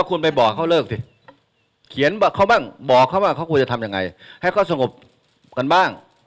คุณไปบอกเขาเลิกสิเขียนบอกเขาบ้างบอกเขาบ้างเขาควรจะทำยังไงให้เขาสงบกันบ้าง